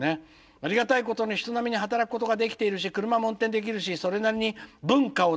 「ありがたいことに人並みに働くことができているし車も運転できるしそれなりに文化を楽しむこともできています。